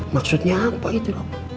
maksudnya apa itu